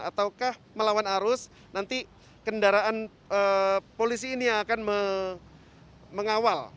atau melawan arus nanti kendaraan polisi ini akan mengawal